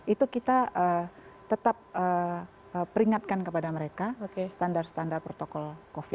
itu kita tetap peringatkan kepada mereka standar standar protokol covid sembilan belas